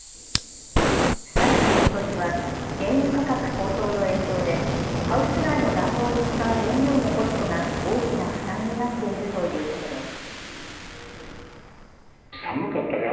さらにことしは原油価格高騰の影響でハウス内の暖房に使う燃料のコストが大きな負担になっているということです。